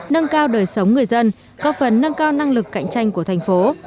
nâng cao đời sống người dân có phần nâng cao năng lực cạnh tranh của thành phố